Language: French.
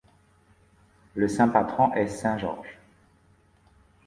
Le saint patron est saint Georges.